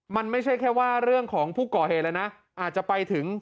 มันไม่ใช่แค่ว่าเรื่องของผู้ก่อเหตุแล้วนะอาจจะไปถึง